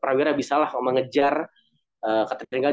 prawira bisa lah mengejar ketertinggalan